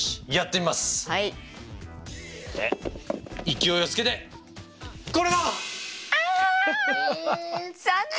勢いをつけてこれだ！ああ残念！